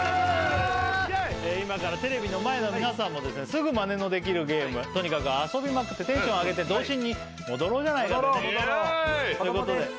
今からテレビの前の皆さんもですねすぐマネのできるゲームとにかく遊びまくってテンション上げて童心に戻ろうじゃないかということで戻ろう戻ろう子どもです